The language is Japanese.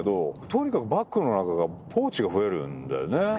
とにかくバッグの中がポーチが増えるんだよね。